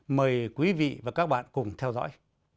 mời quý vị và các bạn cùng theo dõi